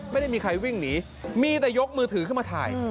ไม่ได้มีใครวิ่งหนีมีแต่ยกมือถือขึ้นมาถ่าย